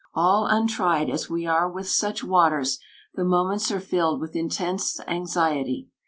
All untried as we are with such waters, the moments are filled with intense anxiety.